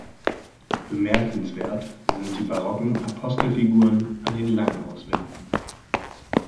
Bemerkenswert sind die barocken Apostelfiguren an den Langhauswänden.